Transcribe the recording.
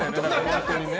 本当にね。